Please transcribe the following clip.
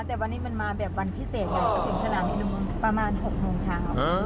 แต่วันนี้มันมาแบบวันพิเศษมาถึงสนามบินประมาณ๖โมงเช้า